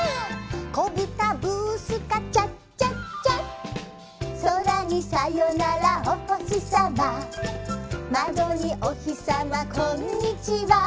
「こぶたブースカチャチャチャ」「そらにさよならおほしさま」「まどにおひさまこんにちは」